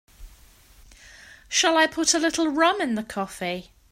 Shall I put a little rum in the coffee?